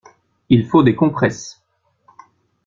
Il faut des compresses!